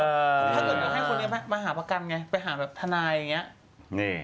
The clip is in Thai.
ถ้าเกิดจะให้คนนี้มามาหาประกันไงไปหาทนายไงนะ